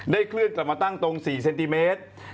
เคลื่อนกลับมาตั้งตรง๔เซนติเมตร